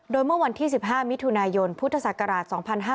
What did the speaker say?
โดยเมื่อวันที่๑๕มิถุนายนพุทธศักราช๒๕๕๙